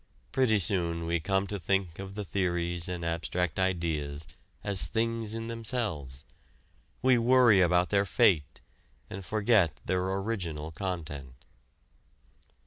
Pretty soon we come to think of the theories and abstract ideas as things in themselves. We worry about their fate and forget their original content.